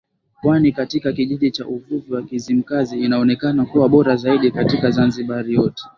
Pwani katika kijiji cha uvuvi wa Kizimkazi inaonekana kuwa bora zaidi katika Zanzibar yote